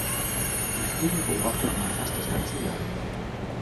Die Fliegen beobachtet man fast das ganze Jahr über.